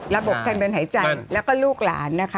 ระบบทางเดินหายใจแล้วก็ลูกหลานนะคะ